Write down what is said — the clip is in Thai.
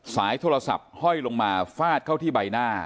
สายโทรศัพท์ห้อยลงมาฟาดเข้าที่ใบหน้า